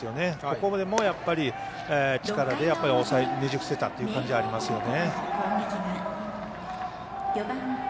これも力でねじ伏せたという感じがありますよね。